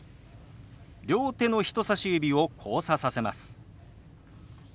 両手の人さし指を交差させます。